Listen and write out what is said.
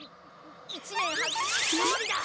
一年は組の勝利だ！